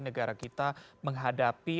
negara kita menghadapi